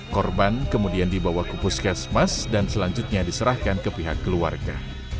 korban kemudian dibawa ke puskesmas dan selanjutnya diserahkan ke pihak keluarga